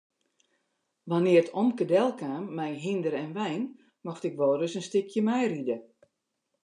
Wannear't omke delkaam mei hynder en wein mocht ik wolris in stikje meiride.